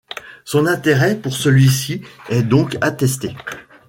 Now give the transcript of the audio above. Son intérêt pour celui-ci est donc attesté.